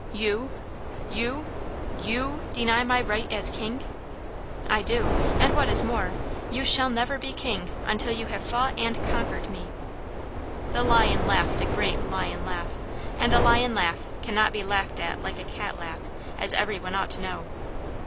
"You you YOU deny my right as King?" "I do, and, what is more, you shall never be King until you have fought and conquered me." The Lion laughed a great lion laugh, and a lion laugh cannot be laughed at like a cat laugh, as everyone ought to know.